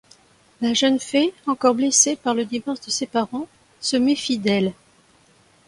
La jeune fée, encore blessée par le divorce de ses parents, se méfie d'elle.